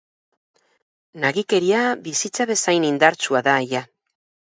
Nagikeria bizitza bezain indartsua da ia.